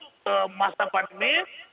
untuk masa pandemi